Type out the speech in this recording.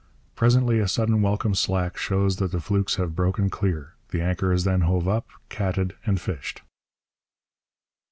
Presently a sudden welcome slack shows that the flukes have broken clear. The anchor is then hove up, catted, and fished.